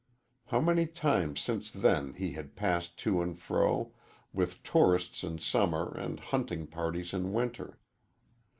How many times since then he had passed to and fro, with tourists in summer and hunting parties in winter.